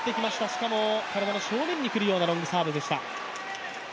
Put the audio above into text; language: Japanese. しかも体の正面に来るようなロングサーブでした。